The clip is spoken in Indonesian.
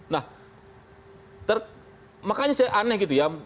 nah makanya saya aneh gitu ya